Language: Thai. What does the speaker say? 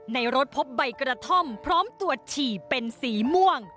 ในรถพบใบกระท่อมพร้อมตรวจฉี่เป็นสีม่วง